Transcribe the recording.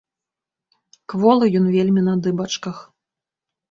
Кволы ён вельмі на дыбачках.